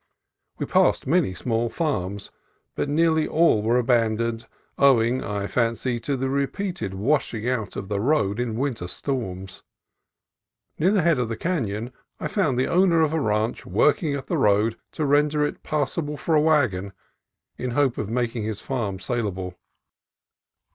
We passed many small farms, but nearly all were abandoned, owing, I fancy, to the repeated washing out of the road in winter storms. Near the head of the canon I found the owner of a ranch working at the road to render it passable for a wagon, in hope of making his farm salable.